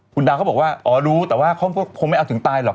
คุณดาวก็บอกว่าอ๋อรู้แต่ว่าพวกพวกพวกไม่เอาถึงตายหรอก